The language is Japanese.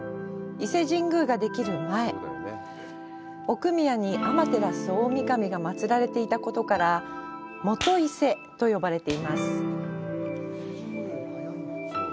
伊勢神宮ができる前、奥宮に天照大神が祀られていたことから「元伊勢」と呼ばれています。